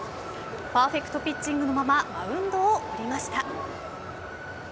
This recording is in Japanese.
パーフェクトピッチングのままマウンドを降りました。